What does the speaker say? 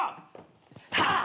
はっ！